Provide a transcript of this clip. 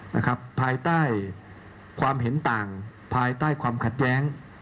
ภายใต้ความเห็นต่างภายใต้ความขัดแย้ง